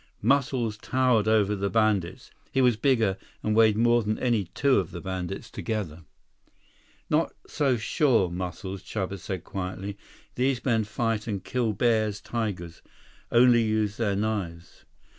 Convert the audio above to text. Muscles towered over the bandits. He was bigger, and weighed more than any two of the bandits together. 122 "Not so sure, Muscles," Chuba said quietly. "These men fight and kill bears, tigers. Only use their knives."